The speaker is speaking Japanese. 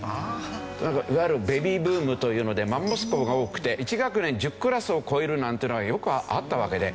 いわゆるベビーブームというのでマンモス校が多くて１学年１０クラスを超えるなんてのはよくあったわけで。